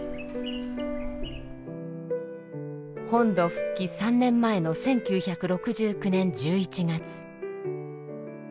本土復帰３年前の１９６９年１１月。